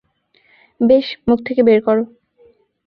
বেশ, মুখ থেকে বের কর।